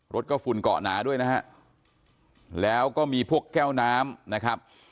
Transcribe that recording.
รถก็ฝุ่นเกาะหนาด้วยนะฮะแล้วก็มีพวกแก้วน้ำนะครับ